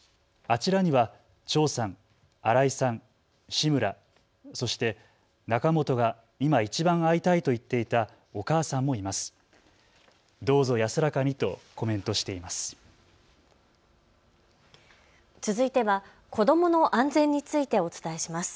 あちらには長さん、荒井さん、志村、そして仲本が今いちばん会いたいと言っていたお母さんもいます。